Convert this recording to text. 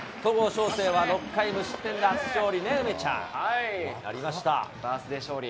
翔征は６回無失点で初勝利ね、やりました、バースデー勝利。